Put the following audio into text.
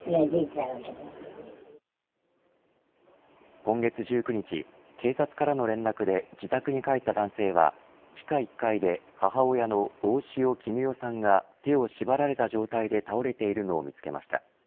今月１９日警察からの連絡で自宅に帰った男性は地下１階で母親の大塩衣与さんが手を縛られた状態で倒れているのを見つけました。